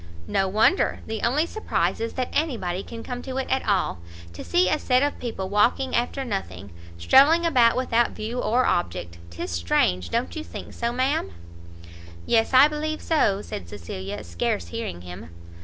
"No wonder! the only surprise is that any body can come to it at all. To see a set of people walking after nothing! strolling about without view or object! 'tis strange! don't you think so, ma'am?" "Yes, I believe so," said Cecilia, scarce hearing him.